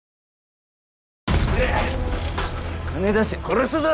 金出せ殺すぞ。